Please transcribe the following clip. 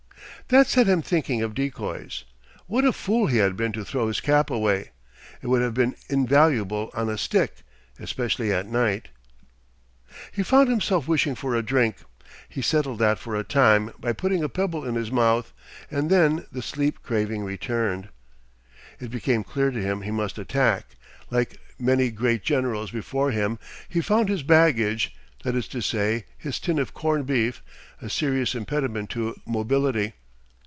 That set him thinking of decoys. What a fool he had been to throw his cap away. It would have been invaluable on a stick especially at night. He found himself wishing for a drink. He settled that for a time by putting a pebble in his mouth. And then the sleep craving returned. It became clear to him he must attack. Like many great generals before him, he found his baggage, that is to say his tin of corned beef, a serious impediment to mobility.